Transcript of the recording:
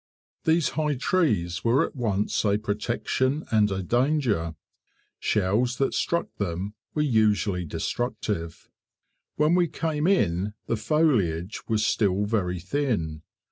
These high trees were at once a protection and a danger. Shells that struck them were usually destructive. When we came in the foliage was still very thin.